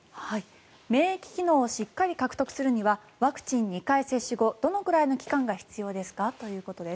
免疫機能をしっかり獲得するためにはワクチン２回接種後どのくらいの期間が必要ですか？ということです。